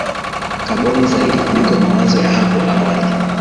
kaboni zaidi kuliko mawazo ya hapo awali